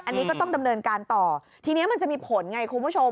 อันนี้ก็ต้องดำเนินการต่อทีนี้มันจะมีผลไงคุณผู้ชม